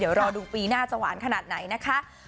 เดี๋ยวรอดูปีหน้าจะหวานขนาดไหนนะคะ